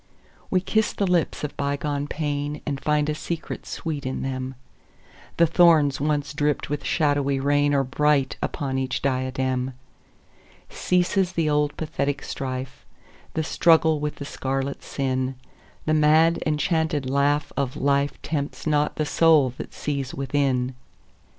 We kiss the lips of bygone painAnd find a secret sweet in them:The thorns once dripped with shadowy rainAre bright upon each diadem. Ceases the old pathetic strife, The struggle with the scarlet sin:The mad enchanted laugh of lifeTempts not the soul that sees within.